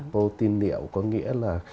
vô tin niệu có nghĩa là